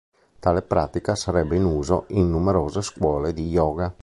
Tale pratica sarebbe in uso in numerose scuole di Yoga.